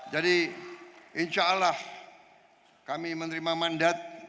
jadi insya allah kami menerima mandat